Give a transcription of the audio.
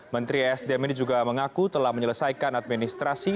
menteri esdm ini juga mengaku telah menyelesaikan administrasi